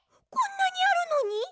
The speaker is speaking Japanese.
こんなにあるのに？